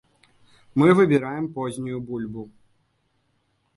Мы выбіраем познюю бульбу.